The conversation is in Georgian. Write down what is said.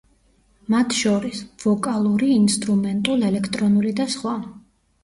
მათ შორის: ვოკალური, ინსტრუმენტულ, ელექტრონული და სხვა.